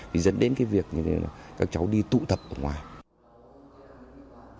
thì dẫn đến cái việc các cháu đi tụ tập ở ngoài